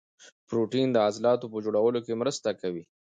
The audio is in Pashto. پروټین د عضلاتو په جوړولو کې مرسته کوي